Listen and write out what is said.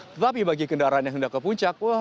tetapi bagi kendaraan yang hendak ke puncak